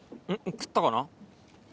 食ったかな？